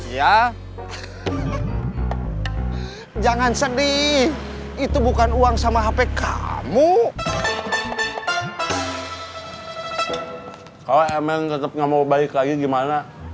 ya jangan sedih itu bukan uang sama hp kamu kalau emang tetap nggak mau baik lagi gimana